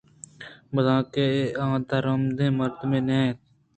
بزاں کہ آ درآمدیں مردم نیل اَنت